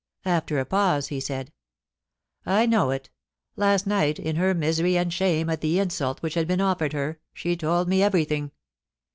After a pause he said :' I know it L.ast night, in her misery and shame at the insult which had been offered her, she told me everything.